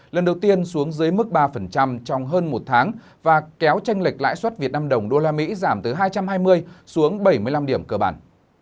lần đầu tiên xuống dưới mức ba trong hơn một tháng và kéo tranh lệch lãi suất việt nam đồng đô la mỹ giảm từ hai trăm hai mươi xuống bảy mươi năm điểm cơ bản